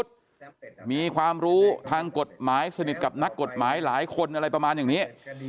มีความรู้ทางกฎหมายสนิทกับนักกฎหมายหลายคนอะไรประมาณอย่างนี้